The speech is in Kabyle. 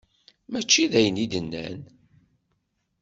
Mačči d ayen i d-nnan.